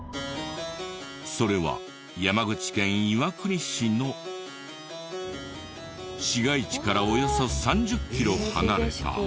それは山口県岩国市の市街地からおよそ３０キロ離れた。